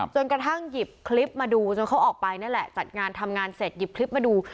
กระทั่งหยิบคลิปมาดูจนเขาออกไปนั่นแหละจัดงานทำงานเสร็จหยิบคลิปมาดู